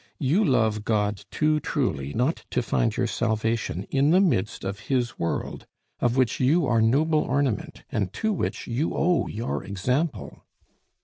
You love God too truly not to find your salvation in the midst of his world, of which you are noble ornament and to which you owe your example."